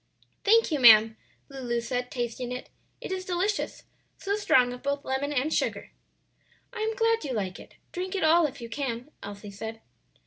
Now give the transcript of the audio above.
"Thank you, ma'am," Lulu said, tasting it; "it is delicious, so strong of both lemon and sugar." "I am glad you like it; drink it all if you can," Elsie said.